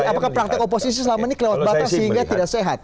apakah praktek oposisi selama ini kelewat batas sehingga tidak sehat